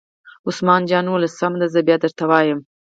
عثمان جان وویل: سمه ده زه بیا درته وایم.